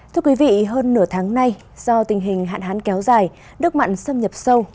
thưa quý vị hơn nửa tháng nay do tình hình hạn hán kéo dài đất mặn xâm nhập sâu